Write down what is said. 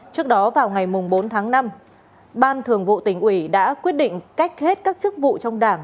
trước đó vào ngày bốn tháng năm ban thường vụ tỉnh ủy đã quyết định cách hết các chức vụ trong đảng